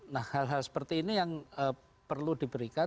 nah hal hal seperti ini yang perlu diberikan